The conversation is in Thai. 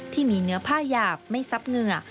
ที่มีเนื้อผ้าหยาบไม่ซับเหงื่อ